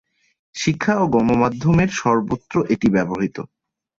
শিক্ষা ও গণমাধ্যমের সর্বত্র এটি ব্যবহৃত।